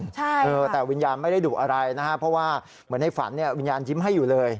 ใช่เออแต่วิญญาณไม่ได้ดุอะไรนะฮะเพราะว่าเหมือนในฝันเนี่ยวิญญาณยิ้มให้อยู่เลย